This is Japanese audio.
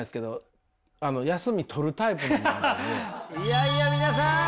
いやいや皆さん！